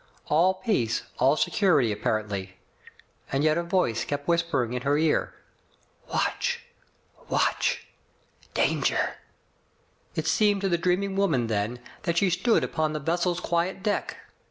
All peace, all security apparently. And yet a voice kept whispering in her ear, "Watch, watch! Danger!'* It seemed to the dreaming woman then that she stood upon the vessel's quiet deck.